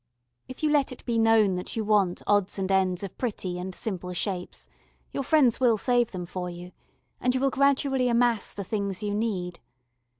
If you let it be known that you want odds and ends of pretty and simple shapes, your friends will save them for you, and you will gradually amass the things you need.